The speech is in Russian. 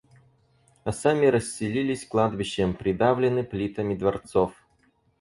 А сами расселились кладбищем, придавлены плитами дворцов.